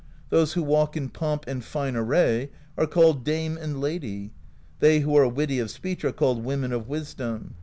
Those who walk in pomp and fine array are called Dame and Lady. They who are witty of speech are called Women of Wisdom.